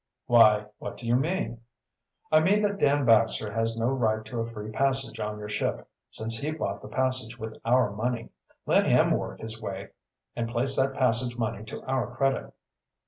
"Why, what do you mean?" "I mean that Dan Baxter has no right to a free passage on your ship, since he bought that passage with our money. Let him work his way and place that passage money to our credit."